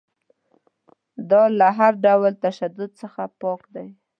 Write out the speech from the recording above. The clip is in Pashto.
دا له هر ډول تشدد څخه پاک دی.